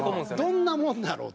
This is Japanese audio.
どんなものだろう。